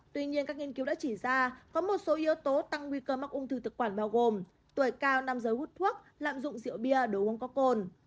tuy nhiên các nghiên cứu đã chỉ ra có một số yếu tố tăng nguy cơ mắc ung thư thực quản bao gồm tuổi cao nam giới hút thuốc lạm dụng rượu bia đồ uống có cồn